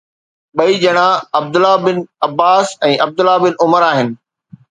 ٻئي ڄڻا عبدالله بن عباس ۽ عبدالله بن عمر آهن